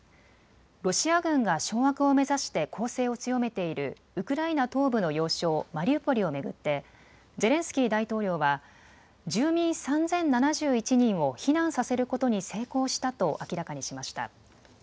ロシア軍が掌握を目指して攻勢を強めているウクライナ東部の要衝マリウポリを巡ってゼレンスキー大統領は住民３０７１人を避難させることに成功したと明らかにしました。